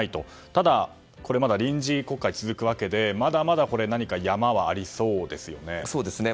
ただ、まだ臨時国会は続くわけでまだまだ、何か山はありそうですね。